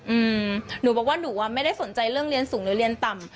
อืมหนูบอกว่าหนูอ่ะไม่ได้สนใจเรื่องเรียนสูงหรือเรียนต่ำ